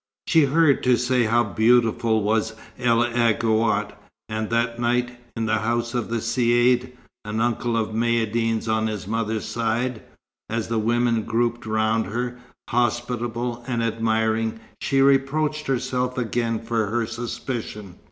She hurried to say how beautiful was El Aghouat; and that night, in the house of the Caïd, (an uncle of Maïeddine's on his mother's side), as the women grouped round her, hospitable and admiring, she reproached herself again for her suspicion.